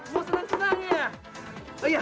mau senang senang ya